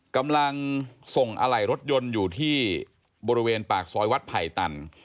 กำลังส่งอะไหล่รถยนต์อยู่ที่บริเวณปากซอยวัดไผ่ตัน